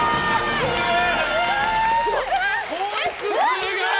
すごい！